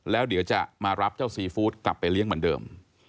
แล้วเดี๋ยวจะมารับเจ้าซีฟู้ดกลับไปเลี้ยงเหมือนเดิม